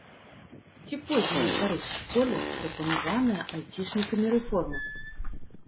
Ці пойдзе на карысць школе прапанаваная айцішнікамі рэформа?